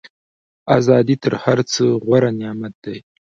ازادي تر هر څه غوره نعمت دی.